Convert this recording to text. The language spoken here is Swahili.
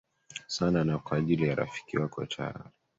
sana na kwa ajili ya rafiki wako tayari